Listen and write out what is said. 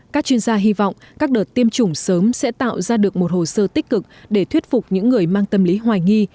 các chuyên gia hy vọng các đợt tiêm chủng sớm sẽ tạo ra được một hồ sơ tích cực để thuyết phục những người mang tâm lý hoài nghi